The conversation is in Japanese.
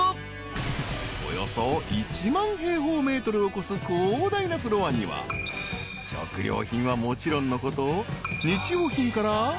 ［およそ１万平方ｍを超す広大なフロアには食料品はもちろんのこと］